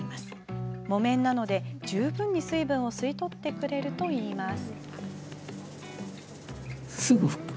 木綿なので、十分に水分を吸い取ってくれるといいます。